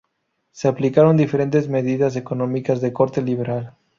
Se aplicaron diferentes medidas económicas de corte liberal.